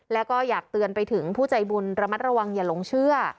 แล้วก็อยากเตือนไปถึงผู้ใจบุญระมัดระวังอย่าหลงเชื่อ